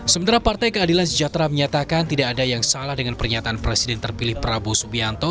sementara partai keadilan sejahtera menyatakan tidak ada yang salah dengan pernyataan presiden terpilih prabowo subianto